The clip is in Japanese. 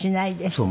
そう。